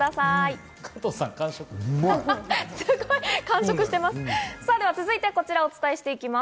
すごい完食しています。